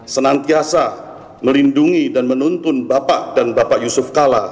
senantiasa melindungi dan menuntun bapak dan bapak yusuf kala